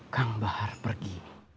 kang bahar pergi